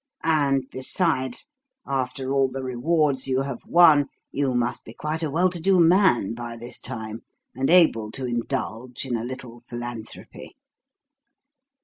And besides, after all the rewards you have won you must be quite a well to do man by this time, and able to indulge in a little philanthropy."